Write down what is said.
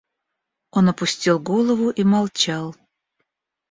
Он опустил голову и молчал.